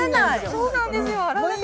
そうなんですよ